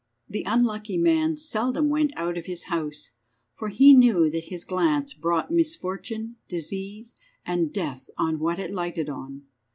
The unlucky man seldom went out of his house, for he knew that his glance brought misfortune, disease, and death on what it lighted on.